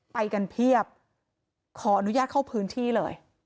ไปกันเพียบขออนุญาตเข้าพื้นที่เลย